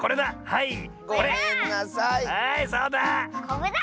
はいそうだ！